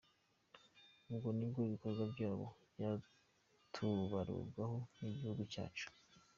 Ubwo nibwo ibikorwa byabo byatubarurwaho n’igihugu cyacu.